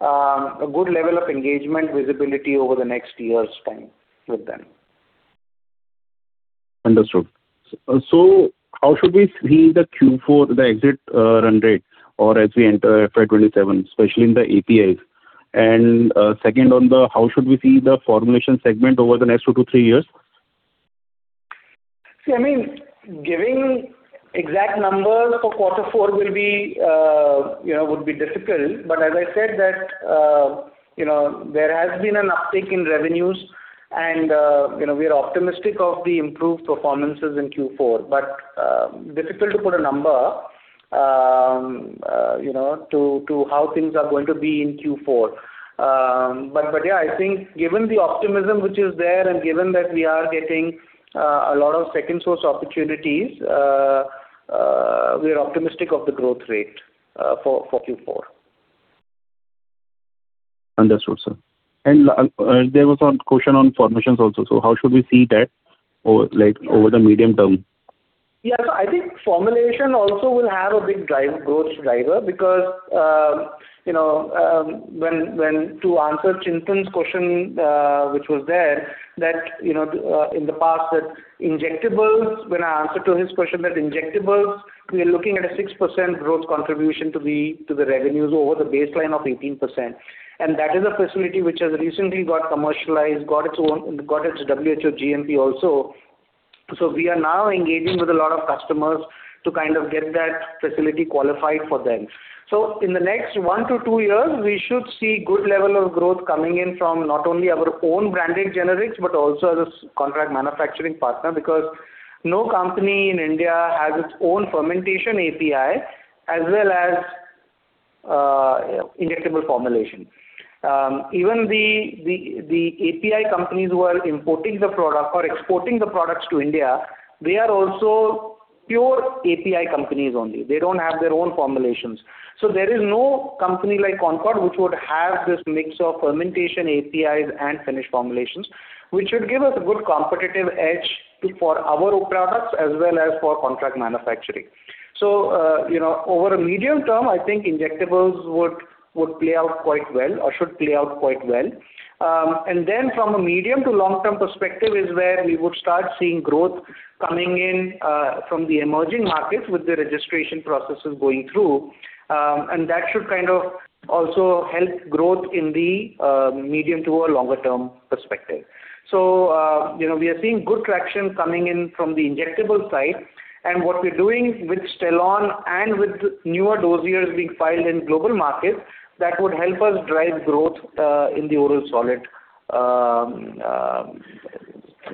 a good level of engagement visibility over the next year's time with them. Understood. So how should we see the Q4, the exit, run rate or as we enter FY 2027, especially in the APIs? And, second, how should we see the formulation segment over the next two to three years? See, I mean, giving exact numbers for quarter four will be, you know, would be difficult. But as I said, that, you know, there has been an uptick in revenues, and, you know, we are optimistic of the improved performances in Q4, but, difficult to put a number, you know, to, to how things are going to be in Q4. But, yeah, I think given the optimism which is there, and given that we are getting, a lot of second source opportunities, we are optimistic of the growth rate, for, for Q4. Understood, sir. There was one question on formulations also. How should we see that over, like, over the medium term? Yeah. So I think formulation also will have a big drive-growth driver because, you know, to answer Chintan's question, which was there, that, you know, in the past, that injectables, when I answered to his question, that injectables, we are looking at a 6% growth contribution to the revenues over the baseline of 18%. And that is a facility which has recently got commercialized, got its WHO GMP also. So we are now engaging with a lot of customers to kind of get that facility qualified for them. So in the next one to two years, we should see good level of growth coming in from not only our own branded generics, but also as a contract manufacturing partner, because no company in India has its own fermentation API, as well as, injectable formulation. Even the API companies who are importing the product or exporting the products to India, they are also pure API companies only. They don't have their own formulations. So there is no company like Concord which would have this mix of fermentation, APIs, and finished formulations, which should give us a good competitive edge to... for our own products as well as for contract manufacturing. So, you know, over a medium term, I think injectables would play out quite well or should play out quite well. And then from a medium to long-term perspective is where we would start seeing growth coming in from the emerging markets with the registration processes going through. And that should kind of also help growth in the medium to a longer-term perspective. So, you know, we are seeing good traction coming in from the injectable side, and what we're doing with Stelon and with newer dossiers being filed in global markets, that would help us drive growth in the oral solid,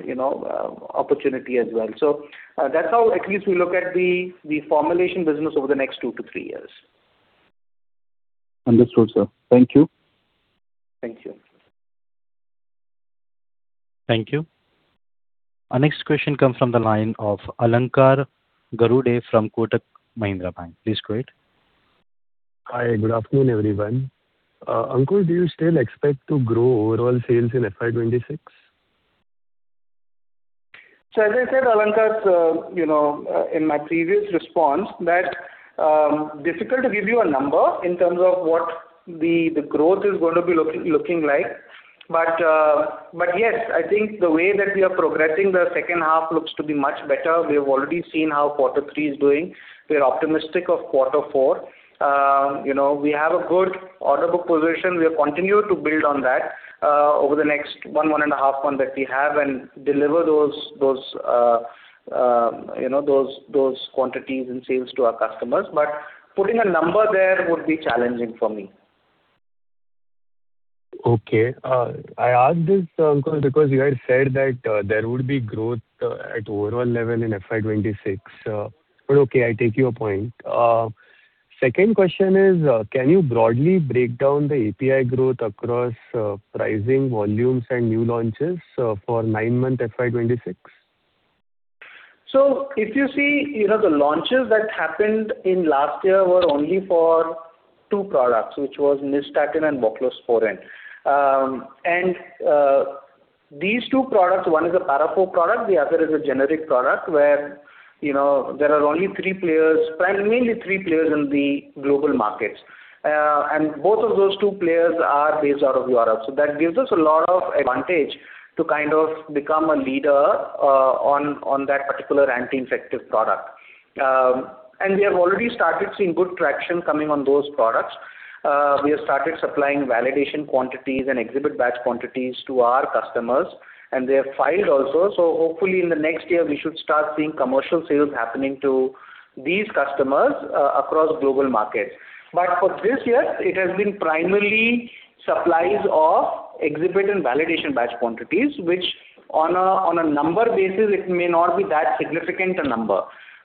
you know, opportunity as well. So, that's how at least we look at the formulation business over the next two to three years. Understood, sir. Thank you. Thank you. Thank you. Our next question comes from the line of Alankar Garude from Kotak Mahindra Bank. Please go ahead. Hi, good afternoon, everyone. Ankur, do you still expect to grow overall sales in FY26? So as I said, Alankar, you know, in my previous response, that difficult to give you a number in terms of what the growth is going to be looking like. But, but yes, I think the way that we are progressing, the second half looks to be much better. We have already seen how quarter three is doing. We are optimistic of quarter four. You know, we have a good order book position. We have continued to build on that, over the next one and a half month that we have, and deliver those quantities and sales to our customers. But putting a number there would be challenging for me. Okay. I asked this, Ankur, because you had said that, there would be growth at overall level in FY26. But okay, I take your point. Second question is, can you broadly break down the API growth across pricing, volumes, and new launches for nine-month FY26? So if you see, you know, the launches that happened in last year were only for two products, which was Nystatin and Voclosporin. And these two products, one is a Para IV product, the other is a generic product, where, you know, there are only three players, primarily three players in the global markets. And both of those two players are based out of Europe. So that gives us a lot of advantage to kind of become a leader, on, on that particular infective product. And we have already started seeing good traction coming on those products. We have started supplying validation quantities and exhibit batch quantities to our customers, and they have filed also. So hopefully in the next year, we should start seeing commercial sales happening to these customers, across global markets. But for this year, it has been primarily supplies of exhibit and validation batch quantities, which on a number basis, it may not be that significant a number.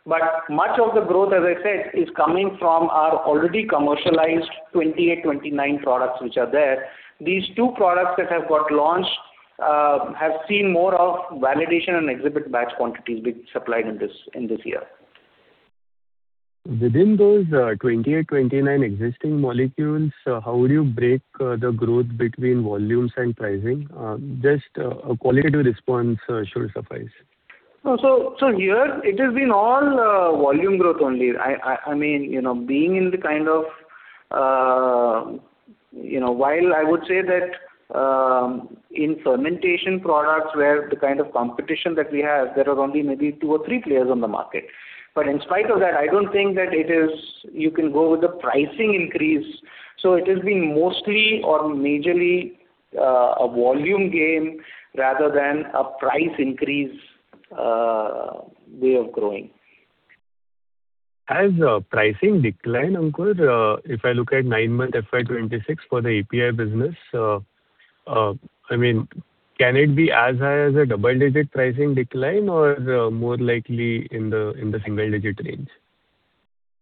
But much of the growth, as I said, is coming from our already commercialized 28-29 products, which are there. These two products that have got launched have seen more of validation and exhibit batch quantities being supplied in this year. Within those, 28, 29 existing molecules, how would you break the growth between volumes and pricing? Just a qualitative response should suffice. So here it has been all volume growth only. I mean, you know, being in the kind of... You know, while I would say that in fermentation products, where the kind of competition that we have, there are only maybe two or three players on the market. But in spite of that, I don't think that it is... You can go with the pricing increase. So it has been mostly or majorly a volume gain rather than a price increase way of growing. Has pricing declined, Ankur? If I look at nine-month FY 2026 for the API business, I mean, can it be as high as a double-digit pricing decline or more likely in the single-digit range?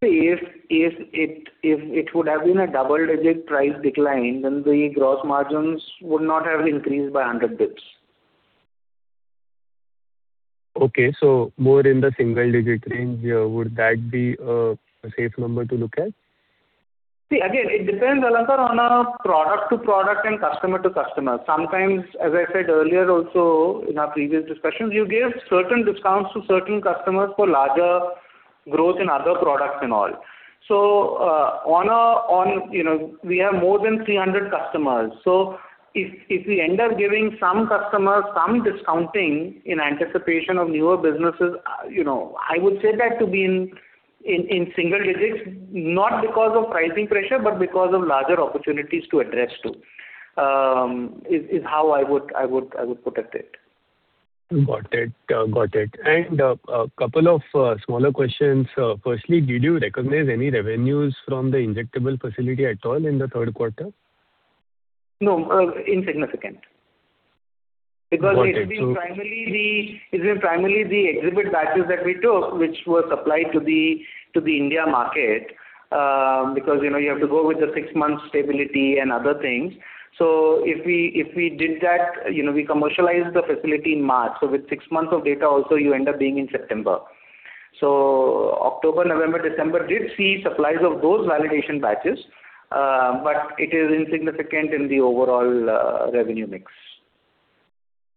If it would have been a double-digit price decline, then the gross margins would not have increased by 100 basis points. Okay, so more in the single-digit range, would that be a safe number to look at? See, again, it depends, Alankar, on a product to product and customer to customer. Sometimes, as I said earlier also in our previous discussions, you give certain discounts to certain customers for larger growth in other products and all. So, on, you know, we have more than 300 customers. So if we end up giving some customers some discounting in anticipation of newer businesses, you know, I would say that to be in single digits, not because of pricing pressure, but because of larger opportunities to address to, is how I would put it at it. Got it. Got it. And, a couple of, smaller questions. Firstly, did you recognize any revenues from the injectable facility at all in the third quarter? No, insignificant. Got it. Because it has been primarily the, it's been primarily the exhibit batches that we took, which were supplied to the, to the India market, because, you know, you have to go with the six months stability and other things. So if we, if we did that, you know, we commercialized the facility in March, so with six months of data also, you end up being in September. So October, November, December did see supplies of those validation batches, but it is insignificant in the overall, revenue mix.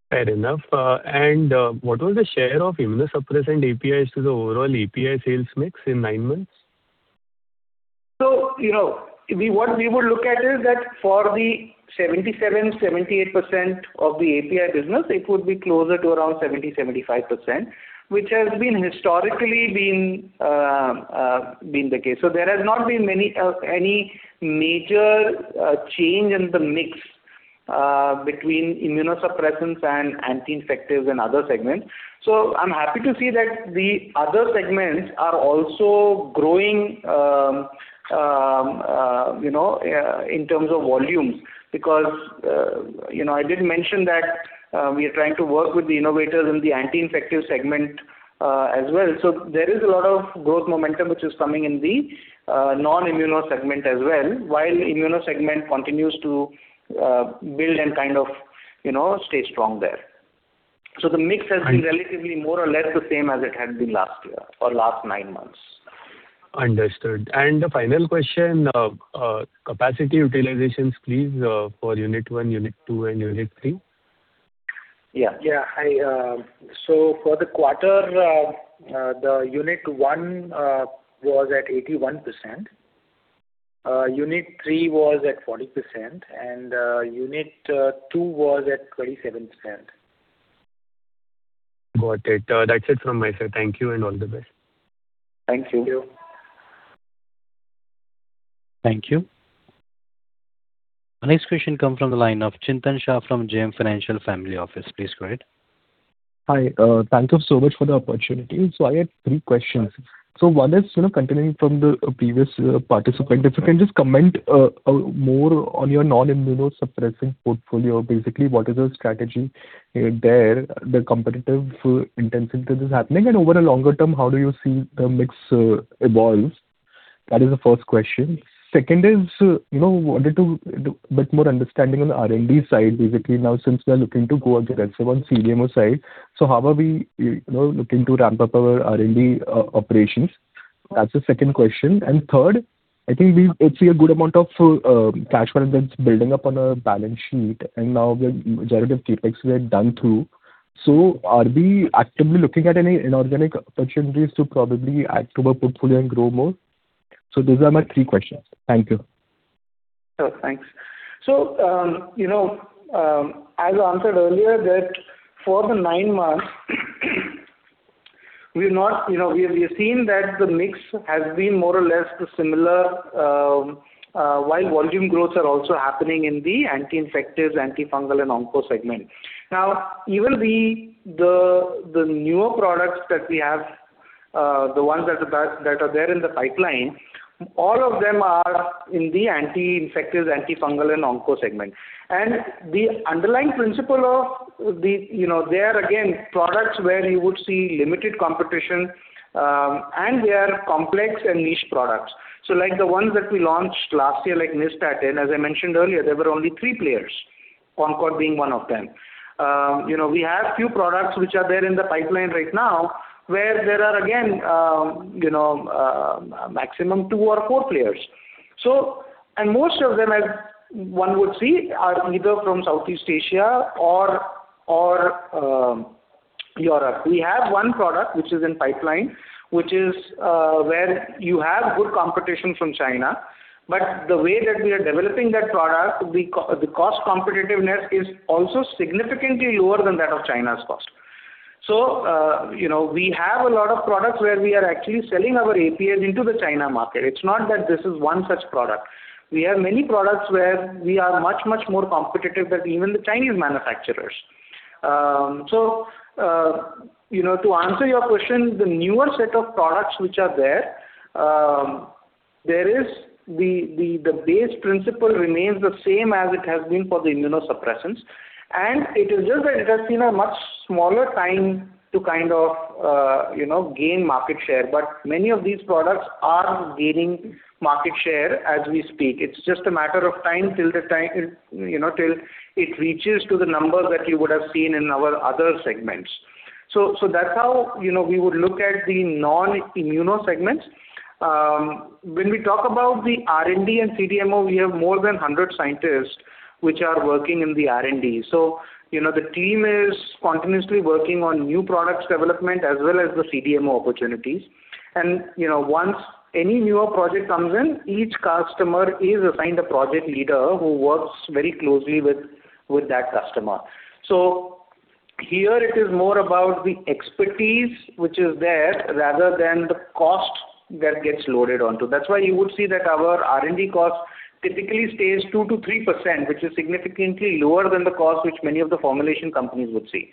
Fair enough. What was the share of immunosuppressant APIs to the overall API sales mix in nine months? So, you know, we what we would look at is that for the 77-78% of the API business, it would be closer to around 70-75%, which has been historically been the case. So there has not been many any major change in the mix between immunosuppressants and anti-infectives and other segments. So I'm happy to see that the other segments are also growing, you know, in terms of volumes, because, you know, I did mention that we are trying to work with the innovators in the anti-infective segment as well. So there is a lot of growth momentum which is coming in the non-immuno segment as well, while immuno segment continues to build and kind of, you know, stay strong there. The mix has been relatively more or less the same as it had been last year or last nine months. Understood. The final question, capacity utilizations, please, for unit one, unit two, and unit three? Yeah. Yeah, I... So for the quarter, Unit one was at 81%, Unit three was at 40%, and Unit two was at 27%. Got it. That's it from my side. Thank you and all the best. Thank you. Thank you. Thank you. The next question comes from the line of Chintan Sheth from JM Financial Family Office. Please go ahead. Hi, thank you so much for the opportunity. So I had three questions. So one is, you know, continuing from the previous participant, if you can just comment more on your non-immunosuppressant portfolio. Basically, what is the strategy there, the competitive intensity that is happening, and over a longer term, how do you see the mix evolve? That is the first question. Second is, you know, wanted to... A bit more understanding on the R&D side. Basically, now, since we are looking to go on the grow on CDMO side, so how are we, you know, looking to ramp up our R&D operations? That's the second question. And third, I think we, I see a good amount of cash flow that's building up on our balance sheet, and now the generative CapEx we are done through. So are we actively looking at any inorganic opportunities to probably add to our portfolio and grow more? So those are my three questions. Thank you. Sure. Thanks. So, you know, as I answered earlier, that for the nine months, we've not, you know, we have seen that the mix has been more or less the similar, while volume growths are also happening in the anti-infectives, antifungal and onco segment. Now, even the newer products that we have, the ones that are there in the pipeline, all of them are in the anti-infectives, antifungal and onco segment. And the underlying principle of the, you know, they are again, products where you would see limited competition, and they are complex and niche products. So like the ones that we launched last year, like Nystatin, as I mentioned earlier, there were only three players, Concord being one of them. You know, we have few products which are there in the pipeline right now, where there are again, you know, maximum two or four players. So, and most of them, as one would see, are either from Southeast Asia or Europe. We have one product, which is in pipeline, which is where you have good competition from China, but the way that we are developing that product, the cost competitiveness is also significantly lower than that of China's cost. So, you know, we have a lot of products where we are actually selling our APIs into the China market. It's not that this is one such product. We have many products where we are much, much more competitive than even the Chinese manufacturers. So, you know, to answer your question, the newer set of products which are there, there is the base principle remains the same as it has been for the immunosuppressants, and it is just that it has seen a much smaller time to kind of, you know, gain market share, but many of these products are gaining market share as we speak. It's just a matter of time till the time, you know, till it reaches to the number that you would have seen in our other segments. So, so that's how, you know, we would look at the non-immuno segments. When we talk about the R&D and CDMO, we have more than 100 scientists, which are working in the R&D. So, you know, the team is continuously working on new products development as well as the CDMO opportunities. You know, once any newer project comes in, each customer is assigned a project leader who works very closely with that customer. So here it is more about the expertise, which is there, rather than the cost that gets loaded onto. That's why you would see that our R&D cost typically stays 2%-3%, which is significantly lower than the cost which many of the formulation companies would see.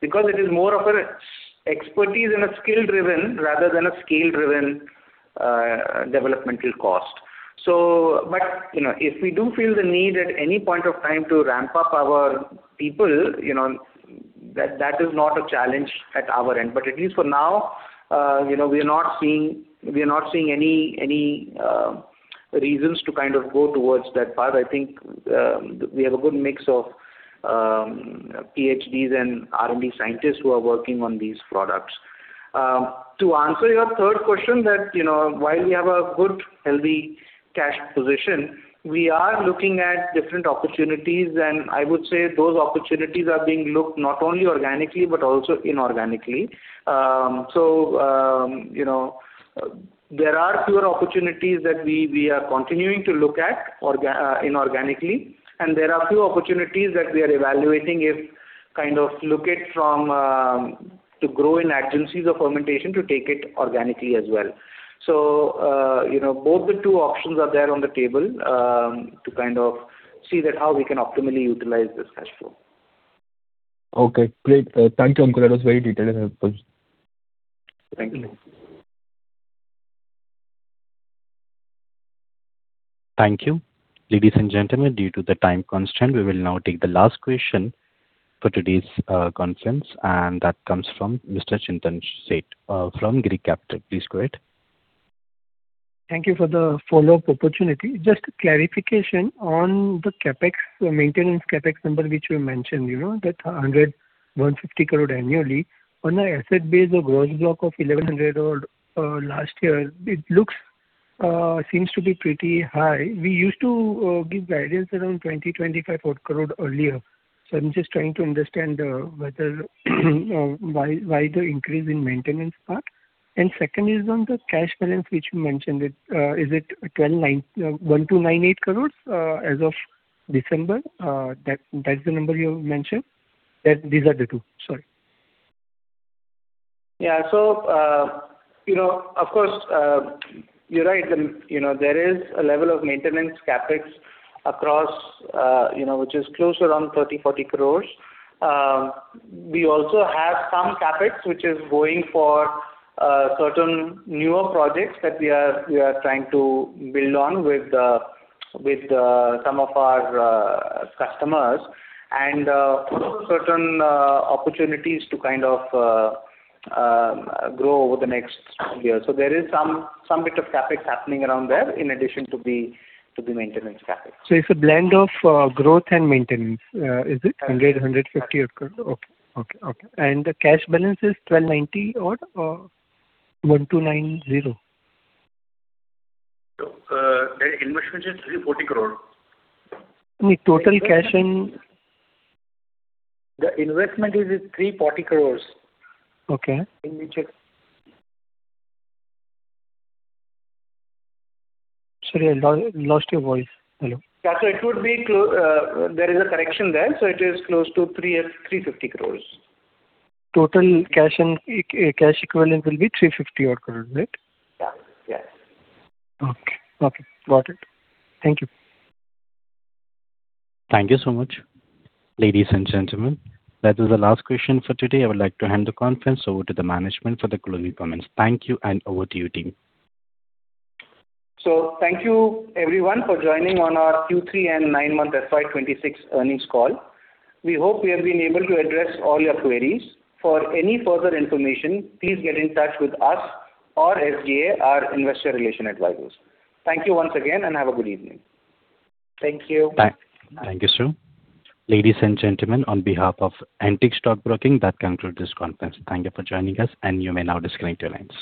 Because it is more of an expertise and a skill-driven rather than a scale-driven developmental cost. So. But, you know, if we do feel the need at any point of time to ramp up our people, you know, that is not a challenge at our end. But at least for now, you know, we are not seeing any reasons to kind of go towards that path. I think we have a good mix of PhDs and R&D scientists who are working on these products. To answer your third question, you know, while we have a good, healthy cash position, we are looking at different opportunities, and I would say those opportunities are being looked not only organically, but also inorganically. So, you know, there are fewer opportunities that we are continuing to look at inorganically, and there are a few opportunities that we are evaluating if kind of look at from to grow in adjacencies of fermentation to take it organically as well. So, you know, both the two options are there on the table to kind of see that how we can optimally utilize this cash flow. Okay, great. Thank you, Ankur. That was very detailed and helpful. Thank you. Thank you. Ladies and gentlemen, due to the time constraint, we will now take the last question for today's conference, and that comes from Mr. Chintan Sheth from Girik Capital. Please go ahead. Thank you for the follow-up opportunity. Just a clarification on the CapEx, the maintenance CapEx number, which you mentioned, you know, that 100-150 crore annually. On the asset base of gross block of 1,100 or last year, it looks seems to be pretty high. We used to give guidance around 20-25 crore earlier. So I'm just trying to understand whether why the increase in maintenance part? And second is on the cash balance, which you mentioned it is it 1,298 crores as of December? That that's the number you mentioned? These are the two. Sorry. Yeah. So, you know, of course, you're right. You know, there is a level of maintenance CapEx across, you know, which is close around 30-40 crores. We also have some CapEx, which is going for certain newer projects that we are trying to build on with some of our customers, and also certain opportunities to kind of grow over the next year. So there is some bit of CapEx happening around there, in addition to the maintenance CapEx. So it's a blend of growth and maintenance, is it? Yes. 150 crore. Okay. Okay, okay. And the cash balance is 1,290 or, or 1,290? The investment is 340 crore. The total cash in- The investment is 340 crore. Okay. Let me check. Sorry, I lost your voice. Hello? Yeah. So it would be close to three at 350 crore. Total cash and cash equivalent will be 350 crore, right? Yeah. Yeah. Okay. Okay, got it. Thank you. Thank you so much. Ladies and gentlemen, that is the last question for today. I would like to hand the conference over to the management for the closing comments. Thank you, and over to you, team. Thank you everyone for joining on our Q3 and nine-month FY26 earnings call. We hope we have been able to address all your queries. For any further information, please get in touch with us or SGA, our investor relations advisors. Thank you once again, and have a good evening. Thank you. Thank you, sir. Ladies and gentlemen, on behalf of Antique Stock Broking, that concludes this conference. Thank you for joining us, and you may now disconnect your lines.